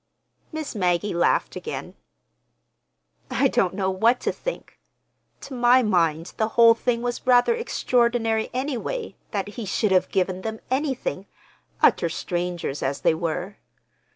Miss Maggie laughed again. "I don't know what to think. To my mind the whole thing was rather extraordinary, anyway, that he should have given them anything—utter strangers as they were.